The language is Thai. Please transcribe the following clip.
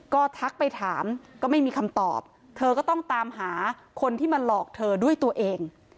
ก็ทักไปถามก็ไม่มีคำตอบเธอก็ต้องตามหาคนที่มาหลอกเธอด้วยตัวเอง